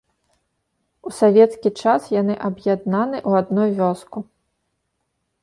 У савецкі час яны аб'яднаны ў адну вёску.